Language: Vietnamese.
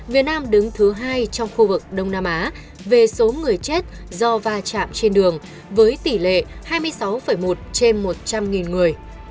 việt nam đứng thứ hai trong khu vực đông nam á về số người chết do va chạm trên đường với tỷ lệ hai mươi sáu một trên một trăm linh người